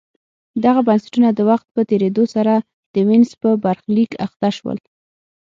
دغه بنسټونه د وخت په تېرېدو سره د وینز په برخلیک اخته شول